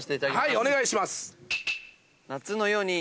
はいお願いします。